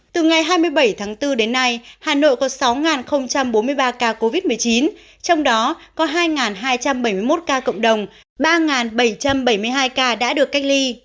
từ ngày hai mươi bảy tháng bốn đến nay hà nội có sáu bốn mươi ba ca covid một mươi chín trong đó có hai hai trăm bảy mươi một ca cộng đồng ba bảy trăm bảy mươi hai ca đã được cách ly